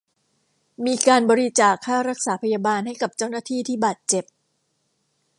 มีการบริจาคค่ารักษาพยาบาลให้กับเจ้าหน้าที่ที่บาดเจ็บ